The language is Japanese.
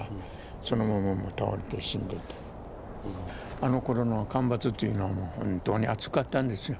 あの頃の干ばつっていうのは本当に暑かったんですよ。